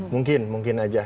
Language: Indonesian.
mungkin mungkin aja